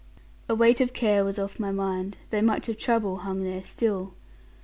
A weight of care was off my mind; though much of trouble hung there still.